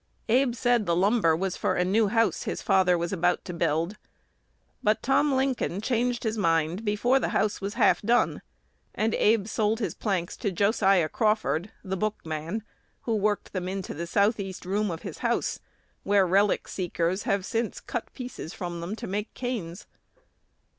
Abe said the lumber was for a new house his father was about to build; but Tom Lincoln changed his mind before the house was half done, and Abe sold his plank to Josiah Crawford, "the book man," who worked them into the south east room of his house, where relic seekers have since cut pieces from them to make canes.